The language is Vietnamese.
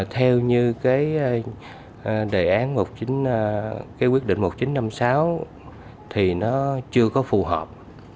theo như cái đề án một cái quyết định một nghìn chín trăm năm mươi sáu thì nó chưa có phù hợp